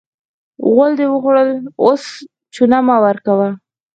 غول دې وخوړل؛ اوس چونه مه ورکوه.